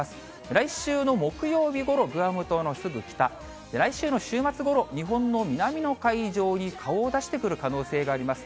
来週の木曜日ごろ、グアム島のすぐ北、来週の週末ごろ、日本の南の海上に顔を出してくる可能性があります。